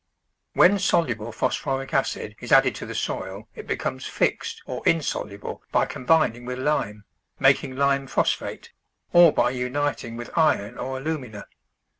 When soluble phosphoric acid is added to the soil it becomes " fixed " or insoluble by combining with lime, making lime phosphate, or by uniting with iron or alumina.